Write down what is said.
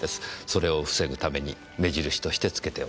それを防ぐために目印として付けておく。